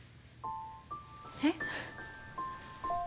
えっ？